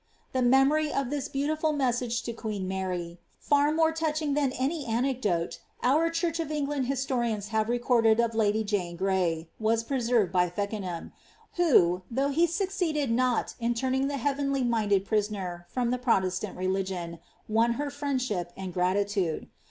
The memory of this beautiful message to queen Mary, far more touching tlian any anecdote our church of £ngland historians have re corded of lady Jane Gray, was preserved by Feckenham ; who, though he succeeded not in turning the heavenly minded prisoner from the Pro testant religion, won her friendship and gratitude.